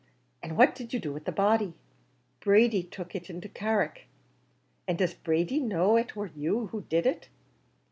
An' what did you do with the body?" "Brady took it into Carrick." "And does Brady know it war you did it?"